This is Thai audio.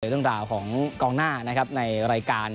เรียนราวของกองหน้าในรายการ